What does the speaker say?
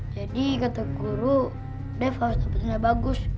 jadi kata guru dev harus tetap berdiri bagus